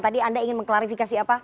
tadi anda ingin mengklarifikasi apa